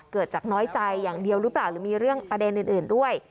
เกิดจากน้อยใจอย่างเดียวหรือเปล่าหรือมีเรื่องประเด็นอื่นด้วย